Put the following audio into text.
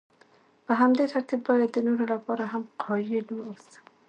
په همدې ترتیب باید د نورو لپاره هم قایل واوسم.